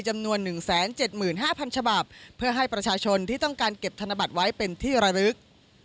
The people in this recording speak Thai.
จำนวน๑๗๕๐๐ฉบับเพื่อให้ประชาชนที่ต้องการเก็บธนบัตรไว้เป็นที่ระลึก